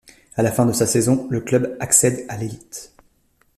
À la fin de sa saison, le club accède à l'élite.